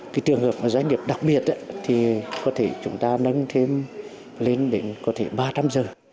cái trường hợp mà doanh nghiệp đặc biệt thì có thể chúng ta nâng thêm lên đến có thể ba trăm linh giờ